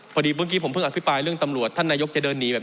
พอดีวันนี้ผมเมื่อพฟิปรายเรื่องตำรวจ